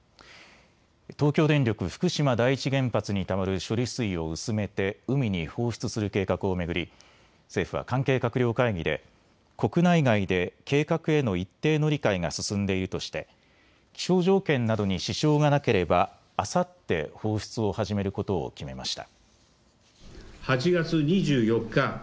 東京電力福島第一原発にたまる処理水を薄めて海に放出する計画を巡り政府は関係閣僚会議で国内外で計画への一定の理解が進んでいるとして気象条件などに支障がなければ、あさって放出を始めることを決めました。